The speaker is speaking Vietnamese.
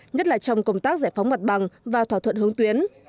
nhất là trong công tác giải phóng mặt bằng và thỏa thuận hướng tuyến